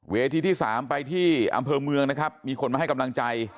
ที่๓ไปที่อำเภอเมืองนะครับมีคนมาให้กำลังใจ